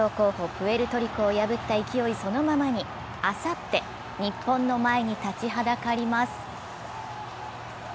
プエルトリコを破った勢いそのままにあさって日本の前に立ちはだかります。